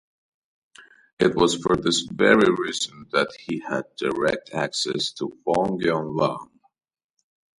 It was for this very reason that he had direct access to Wong Yan-Lam.